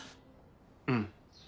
うん。